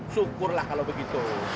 syukurlah kalau begitu